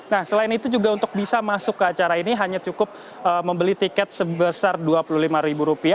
nah selain itu juga untuk bisa masuk ke acara ini hanya cukup membeli tiket sebesar rp dua puluh lima